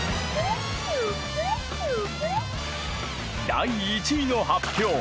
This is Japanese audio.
第１位の発表！